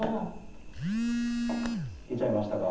出ちゃいましたか。